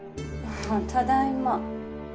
ただいま